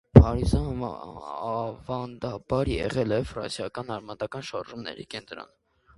Փարիզը ավանդաբար եղել է ֆրանսիական արմատական շարժումների կենտրոն։